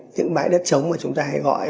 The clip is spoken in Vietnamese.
những bãi đất trống mà chúng ta hay gọi